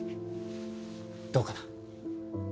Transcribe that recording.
どうかな？